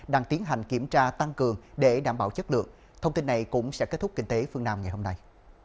đã kết thúc kinh tế phương nam ngày hôm nay